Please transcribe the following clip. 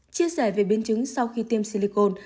chia sẻ về biến chứng sau khi tiêm silicon